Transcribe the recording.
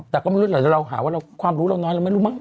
แต่ก็ไม่รู้แหละแต่เราหาว่าความรู้เราน้อยเราไม่รู้มั้